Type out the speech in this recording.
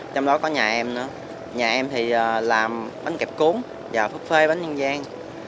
trong đó có nhà em nữa nhà em thì làm bánh kẹp cuốn và phép phê bánh nhân gian